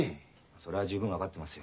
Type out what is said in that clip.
それは十分分かってますよ。